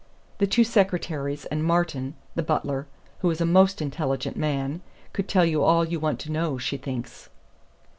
The two secretaries and Martin, the butler (who is a most intelligent man) could tell you all you want to know, she thinks."